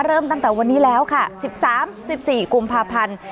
เริ่มตั้งแต่วันนี้แล้วค่ะ๑๓๑๔กุมภาพันธ์